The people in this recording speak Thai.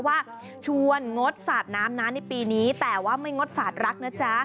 ว่าชวนงดสาดน้ำนะในปีนี้แต่ว่าไม่งดสาดรักนะจ๊ะ